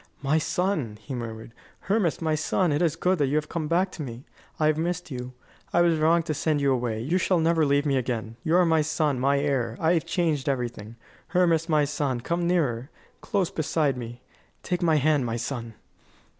"My son!" he murmured; "Hermas, my son! It is good that you have come back to me. I have missed you. I was wrong to send you away. You shall never leave me again. You are my son, my heir. I have changed everything. Hermas, my son, come nearer close beside me. Take my hand, my son!"